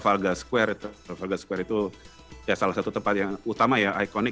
kemudian besoknya di trafalgar square itu ada sekitar dua tujuh ratus orang kita rame rame buka bersama di wembley stadium